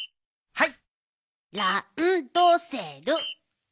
はい！